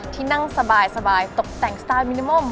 ที่นั่งสบายตกแต่งสไตล์มินิมอม